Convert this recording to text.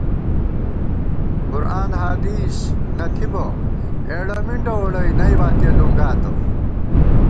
قرآن حدیث نہ تھِبہ، اېڑہ مِنڈہ ووڑَئی نئی باتِیہ لُنگاتہ